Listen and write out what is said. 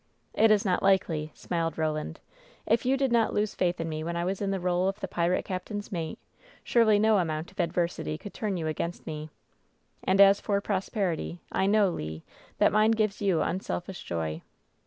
"It is not likely," smiled Roland. "If you did not lose faith in me when I was in the role of the pirate captain's mate, surely no amount of adversity could turn you against me. And as for prosperity, I know, Le, that mine gives you unselfish joy."